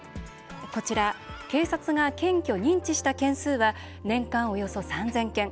こちら、警察が検挙、認知した件数はおよそ３０００件。